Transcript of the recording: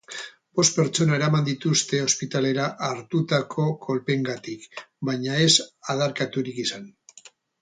Bost pertsona eraman dituzte ospitalera hartutako kolpeengatik, baina ez adarkaturik izan.